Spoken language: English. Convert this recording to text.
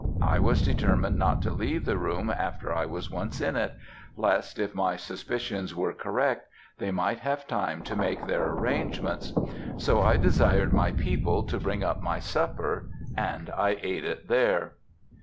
I was determined not to leave the room after I was once in it, lest, if my suspicions were correct, they might have time to make their arrangements; so I desired my people to bring up my supper, and I ate it there.